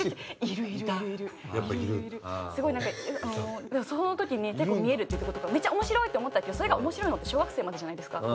すごいなんかその時に結構「見える」って言う子とかめっちゃ面白いって思ったけどそれが面白いのって小学生までじゃないですか。